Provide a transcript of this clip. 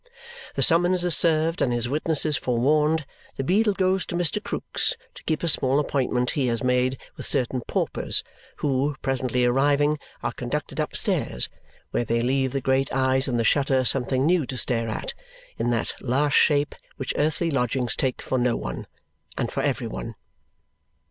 The summonses served and his witnesses forewarned, the beadle goes to Mr. Krook's to keep a small appointment he has made with certain paupers, who, presently arriving, are conducted upstairs, where they leave the great eyes in the shutter something new to stare at, in that last shape which earthly lodgings take for No one and for Every one.